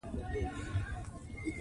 ماشوم د مور غیږکې راحت وي.